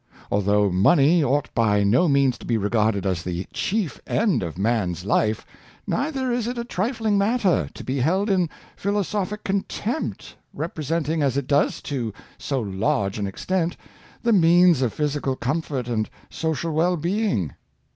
Although money ought by no means to be regarded as the chief end of man's life, neither is it a trifling matter, to be held in philosophic contempt, representing, as it does, to so large an extent, the means of physical comfort and so cial well being.